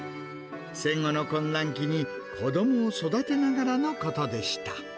戦後の混乱期に、子どもを育てながらのことでした。